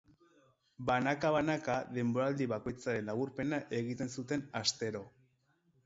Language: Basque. Banaka-banaka denboraldi bakoitzaren laburpena egiten zuten astero.